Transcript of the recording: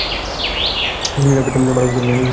তিনি তাঁর পিতা মারুফ ইফেন্দির সাথে পড়াশোনা করেছিলেন।